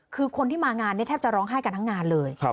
คือคนที่มางานเนี่ยแทบจะร้องไห้กันทั้งงานเลย